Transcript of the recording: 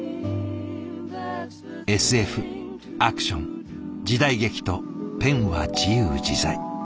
ＳＦアクション時代劇とペンは自由自在。